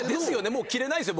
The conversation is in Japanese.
もう着れないですよ